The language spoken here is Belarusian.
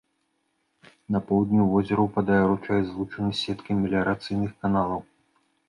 На поўдні ў возера ўпадае ручай, злучаны з сеткай меліярацыйных каналаў.